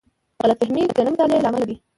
غلط فهمۍ د نه مطالعې له امله دي.